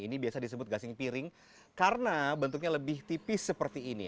ini biasa disebut gasing piring karena bentuknya lebih tipis seperti ini